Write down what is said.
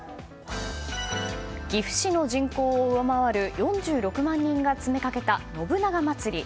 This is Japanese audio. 岐阜市の人口を上回る４６万人が詰めかけた信長まつり。